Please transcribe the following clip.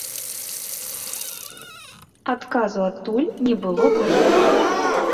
Адказу адтуль не было больш за год.